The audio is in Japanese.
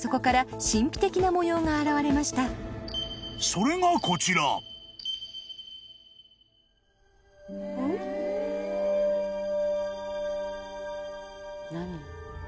［それがこちら］何？